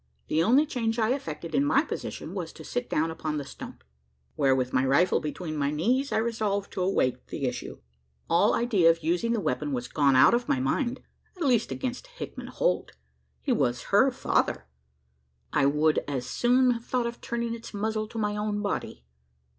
The only change I effected in my position, was to sit down upon the stump where, with my rifle between my knees, I resolved to await the issue. All idea of using the weapon was gone out of my mind at least, against Hickman Holt. He was her father: I would as soon have thought of turning its muzzle to my own body.